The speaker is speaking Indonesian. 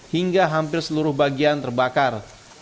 hingga hampir seluruh bagian terbakar